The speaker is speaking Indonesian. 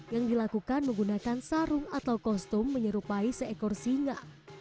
yang dilakukan menggunakan sarung atau kostum menyerupai seekor singa